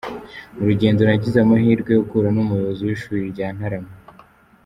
Mu rugendo nagize amahirwe yo guhura n’umuyobozi w’ishuri rya Ntarama.